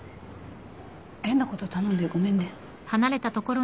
変なこと頼んでごめんね。